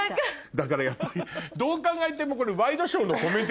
だからやっぱりどう考えても。